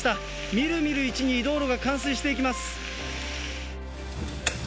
みるみるうちに道路が冠水していきます。